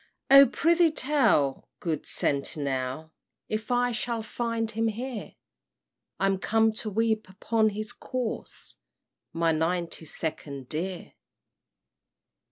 "O prithee tell, good sentinel, If I shall find him here? I'm come to weep upon his corse, My Ninety Second dear!